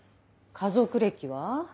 家族歴は？